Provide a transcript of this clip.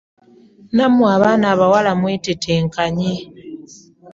Namwe abaana abawala mwetetenkanye .